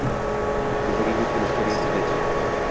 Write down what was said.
Kulbaga yetib, ichkari kirgach